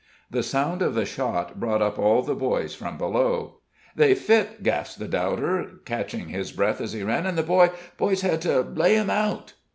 The sound of the shot brought up all the boys from below. "They've fit!" gasped the doubter, catching his breath as he ran, "an' the boy boy's hed to lay him out."